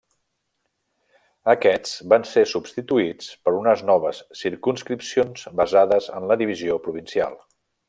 Aquests van ser substituïts per unes noves circumscripcions basades en la divisió provincial.